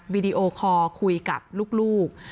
วิดีโอคอร์คุยกับลูก